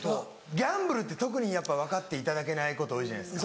ギャンブルって特にやっぱ分かっていただけないこと多いじゃないですか。